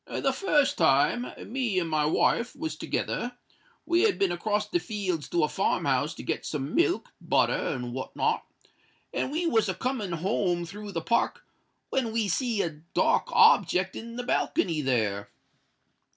The fust time, me and my wife was together: we had been across the fields to a farm house to get some milk, butter, and what not; and we was a coming home through the Park, when we see a dark object in the balcony there.